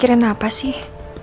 gue dia mikirin apa sih